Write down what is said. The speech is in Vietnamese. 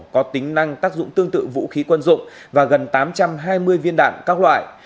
có tính năng tác dụng tương tự vũ khí quân dụng và gần tám trăm hai mươi viên đạn các loại